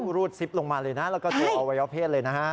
เอารูดซิปลงมาเลยแล้วก็ตื่นเอาวัยเพศเลยนะฮะ